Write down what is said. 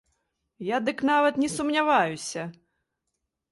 Я дык нават не сумняваюся!